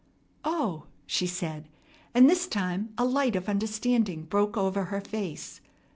"O!" she said, and this time a light of understanding broke over her face.